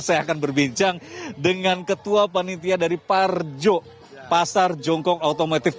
saya akan berbincang dengan ketua panitia dari parjo pasar jongkong automotif